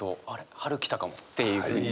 春来たかもっていうふうに。